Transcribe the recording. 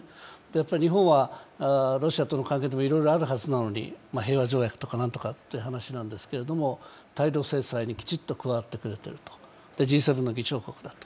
やっぱり日本はロシアとの関係でもいろいろあるはずなのに、平和条約とか何とかという話なんですけど、対ロ制裁にきちっと加わってくれてるとＧ７の議長国だと。